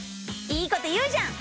いいこと言うじゃん！